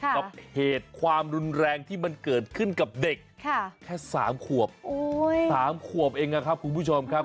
กับเหตุความรุนแรงที่มันเกิดขึ้นกับเด็กแค่๓ขวบ๓ขวบเองนะครับคุณผู้ชมครับ